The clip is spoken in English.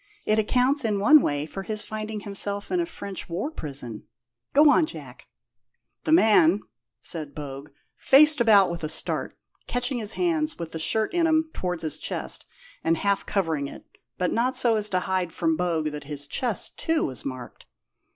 It accounts, in one way, for his finding himself in a French war prison. Go on, Jack." "The man (said Bogue) faced about with a start, catching his hands with the shirt in 'em towards his chest, and half covering it, but not so as to hide from Bogue that his chest, too, was marked.